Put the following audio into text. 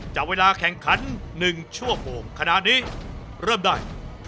จากเวลาแข่งขัน๑ชั่วโมงขณะนี้เริ่มได้